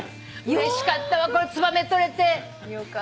うれしかったわツバメ撮れて。